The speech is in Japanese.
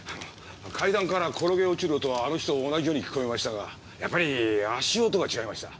階段から転げ落ちる音はあの日と同じように聞こえましたがやっぱり足音が違いました。